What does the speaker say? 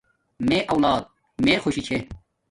میے اولاد میے خوشی چھے